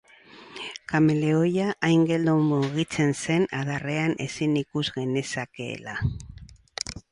Kameleoia hain geldo mugitzen zen adarrean ezin ikus genezakeela.